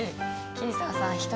桐沢さん